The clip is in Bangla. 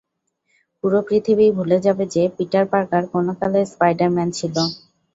পুরো পৃথিবীই ভুলে যাবে যে, পিটার পার্কার কোনোকালে স্পাইডার-ম্যান ছিল।